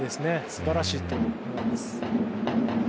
すばらしいと思います。